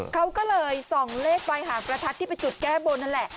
เขาก็เลยส่องเลขปลายหางประทัดที่ไปจุดแก้บนนั่นแหละ